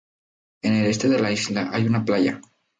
En el este de la isla hay una playa.